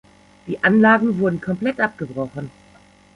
Die Anlagen wurden komplett abgebrochen.